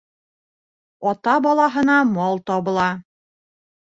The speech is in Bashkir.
Ата балаһына мал табыла.